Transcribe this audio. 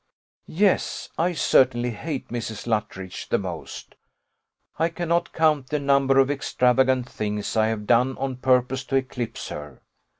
Yes! I certainly hate Mrs. Luttridge the most; I cannot count the number of extravagant things I have done on purpose to eclipse her.